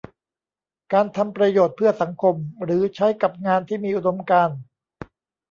การทำประโยชน์เพื่อสังคม หรือใช้กับงานที่มีอุดมการณ์